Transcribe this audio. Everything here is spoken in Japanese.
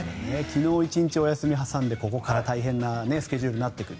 昨日１日お休み挟んでここから大変なスケジュールになっていく。